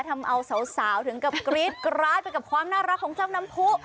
ทำเอาสาวถึงกับกรี๊ดกราดไปกับความน่ารักของเจ้าน้ำผู้